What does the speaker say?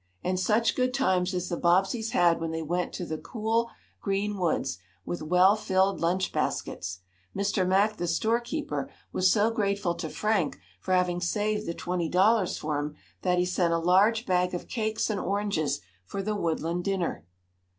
And such good times as the Bobbseys had when they went to the cool green woods, with well filled lunch baskets! Mr. Mack, the store keeper, was so grateful to Frank, for having saved the twenty dollars for him, that he sent a large bag of cakes and oranges for the woodland dinner.